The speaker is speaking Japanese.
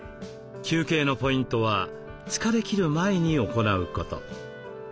休憩のポイントは疲れきる前に行うこと。